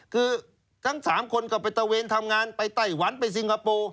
คือทั้ง๓คนก็ไปตะเวนทำงานไปไต้หวันไปซิงคโปร์